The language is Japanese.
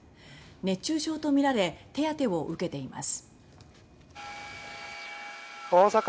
熱中症とみられ手当てを受けています。